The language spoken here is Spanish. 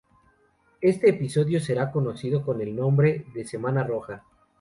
Este episodio será conocido con el nombre de "Semana Roja".